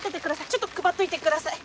ちょっと配っといてください。